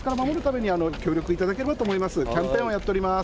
キャンペーンをやっております。